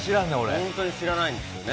本当に知らないんですよね。